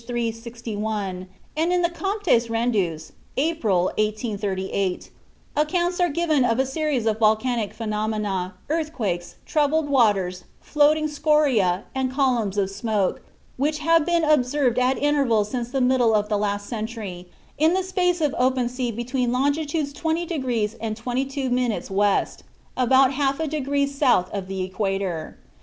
361, and in the Comptes Rendus, April, 1838, accounts are given of a series of volcanic phenomena, earthquakes, troubled water, floating scoria, and columns of smoke, which have been observed at intervals since the middle of the last century, in a space of open sea between longitudes 20° and 22' W., about half a degree south of the equator.